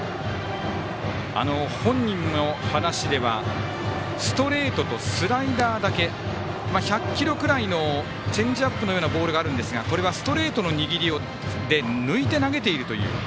本人の話では、ストレートとスライダーだけ１００キロぐらいのチェンジアップのようなボールがあるんですがこれはストレートの握りで抜いて投げているという。